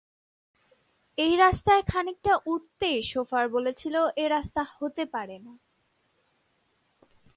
এই রাস্তায় খানিকটা উঠতেই শোফার বলেছিল, এ রাস্তা হতে পারে না।